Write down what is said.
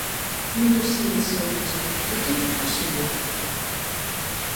Мітусіліся людзі, туды і сюды.